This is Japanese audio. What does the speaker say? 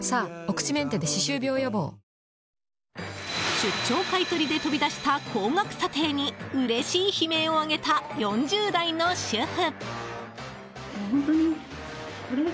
出張買い取りで飛び出した高額査定にうれしい悲鳴を上げた４０代の主婦。